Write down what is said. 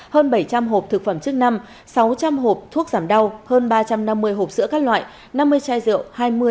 hơn bảy trăm linh hộp thực phẩm chức năng sáu trăm linh hộp thuốc giảm đau hơn ba trăm năm mươi hộp sữa các loại năm mươi chai rượu